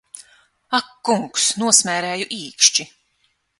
Ak kungs, nosmērēju īkšķi!